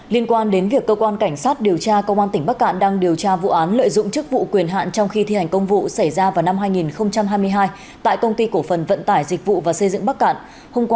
liên quan đến việc cơ quan cảnh sát điều tra công an tỉnh bắc cạn đang điều tra vụ án lợi dụng chức vụ quyền hạn trong khi thi hành công vụ xảy ra vào năm hai nghìn hai mươi hai